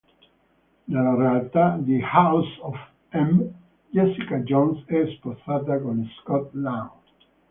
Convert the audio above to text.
Nella realtà di "House of M", Jessica Jones è sposata con Scott Lang.